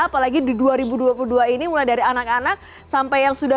apalagi di dua ribu dua puluh dua ini mulai dari anak anak sampai yang sudah